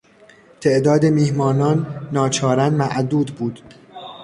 تعداد میهمانان ناچارا معدود بود.